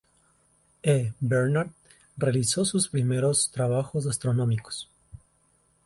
E. Barnard realizó sus primeros trabajos astronómicos.